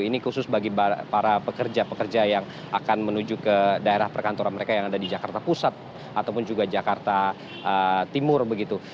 ini khusus bagi para pekerja pekerja yang akan menuju ke daerah perkantoran mereka yang ada di jakarta pusat ataupun juga jakarta timur begitu